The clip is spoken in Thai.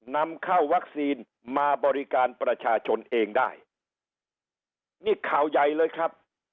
นำเข้าวัคซีนมาบริการประชาชนเองได้นี่ข่าวใหญ่เลยครับ